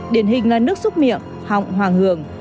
điển hình là nước xúc miệng họng hoàng hường